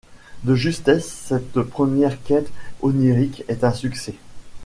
De justesse, cette première quête onirique est un succès.